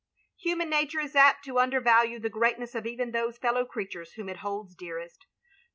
Human nature is apt to undervalue the greatness of even those fellow creatures whom it holds dearest.